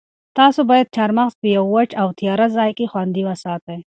تاسو باید چهارمغز په یوه وچ او تیاره ځای کې خوندي وساتئ.